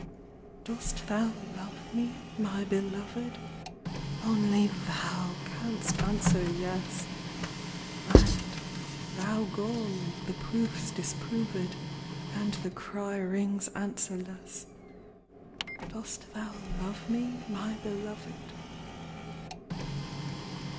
* z. Dost thou love me, my Beloved P Only thou canst answer yes ! And, "thou gone, the proofs disproved, And the cry rings answerless â Dost thou love me, my Beloved